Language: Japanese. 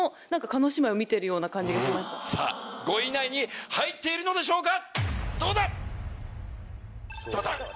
５位以内に入っているのでしょうか